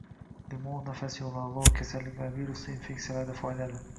Limon nafas yo‘llari, lor kasalliklari, virusli infeksiyalarda foydali.